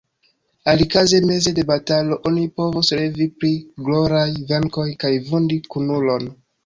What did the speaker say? Alikaze meze de batalo oni povus revi pri gloraj venkoj kaj vundi kunulon.